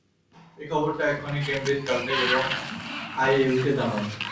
এই খবরটা এক্ষুনি ক্যামব্রিজ, ক্যালটেক এবং আইএইউকে জানান।